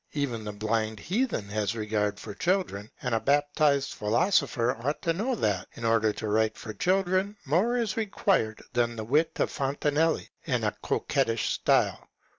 Even the blind heathen had regard for children ; and a baptized philosopher ought to know that, in order to write for children, more is required than the wit of Fontenelle and a coquettish style.